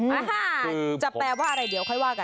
อาหารจะแปลว่าอะไรเดี๋ยวค่อยว่ากัน